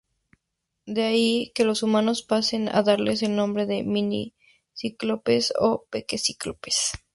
De ahí que los humanos pasen a darles el nombre de mini-cíclopes o peque-cíclopes.